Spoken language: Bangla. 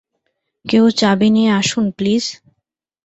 কেউ চাবি নিয়ে আসুন প্লিজ?